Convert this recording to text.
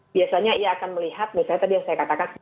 biasanya ia akan melihat misalnya tadi yang saya katakan